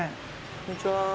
こんにちは。